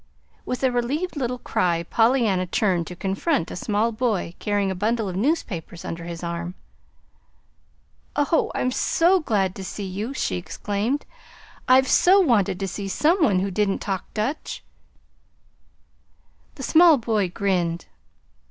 With a relieved little cry Pollyanna turned to confront a small boy carrying a bundle of newspapers under his arm. "Oh, I'm so glad to see you!" she exclaimed. "I've so wanted to see some one who didn't talk Dutch!" The small boy grinned.